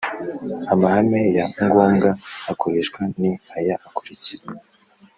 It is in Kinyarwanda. amahame ya ngombwa akoreshwa ni aya akurikira